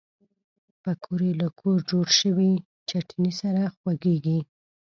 پکورې له کور جوړ شوي چټني سره خوږېږي